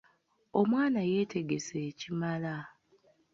Omwana yeetegese ekimala.